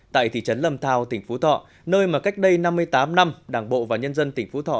tại thị trấn lâm thao tỉnh phú thọ nơi mà cách đây năm mươi tám năm đảng bộ và nhân dân tỉnh phú thọ